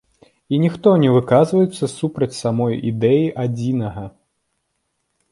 І ніхто не выказваецца супраць самой ідэі адзінага.